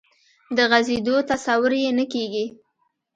د غځېدو تصور یې نه کېږي.